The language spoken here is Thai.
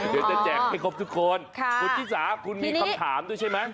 เดี๋ยวจะแจกให้ครบทุกคนคุณชิสาคุณมีคำถามด้วยใช่ไหม